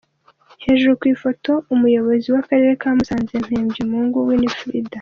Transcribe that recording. Hejuru ku ifoto:Umuyobozi w’Akarere ka Musanze Mpembyemungu Winifrida.